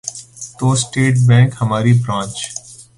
تو state bank ہماری branch